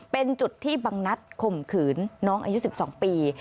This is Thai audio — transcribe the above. เป็นจุดที่บังนัดข่มขืนน้องอายุ๑๒ปี